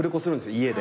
家で。